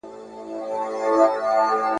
پر هډوکو دي لړزه سي ته چي ښکلې نجوني ګورې ,